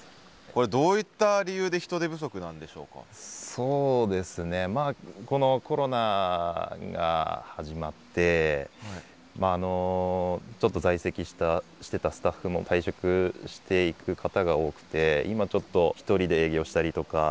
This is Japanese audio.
そうですねまあこのコロナが始まってちょっと在籍してたスタッフも退職していく方が多くて今ちょっと１人で営業したりとか。